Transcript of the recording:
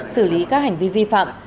xử lý các hành vi vi phạm